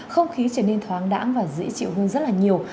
không khí trở nên thoáng đẳng và dễ chịu hơn rất là nhiều